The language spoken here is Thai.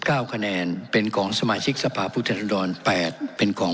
คะแนนเป็นของสมาชิกสภาพผู้แทนดรแปดเป็นของ